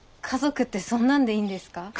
家族ってそんなんでいいんですか？